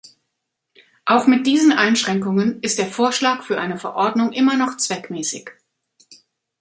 Auch mit diesen Einschränkungen ist der Vorschlag für eine Verordnung immer noch zweckmäßig.